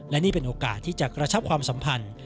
และนี่เป็นโอกาสที่จะกระชับความสัมพันธ์